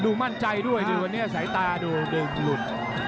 ดูมั่นใจด้วยตอนนี้ไศตาด้วยดึงหลุด